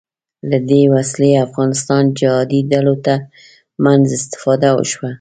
له دې وسلې افغانستان جهادي ډلو تر منځ استفاده وشوه